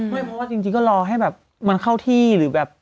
ไม่เพราะว่าจริงก็รอให้แบบมันเข้าที่หรือแบบ